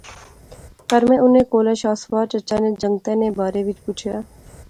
فیر میں انیں کولا شاہ سوار چچا نے جنگتے نے بارے وچ پچھیا